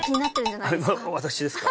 私ですか？